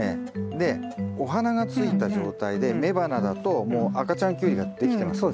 でお花がついた状態で雌花だともう赤ちゃんキュウリができてますんで。